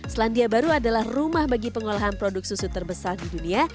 selandia baru adalah rumah bagi pengolahan produk susu terbesar di dunia